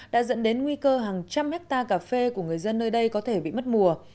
đã dẫn đến nguy cơ hàng trăm hectare cà phê của người dân nơi đây có thể bị mất mùa